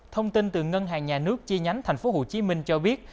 thông tin từ ngân hàng nhà nước chi nhánh tp hcm cho biết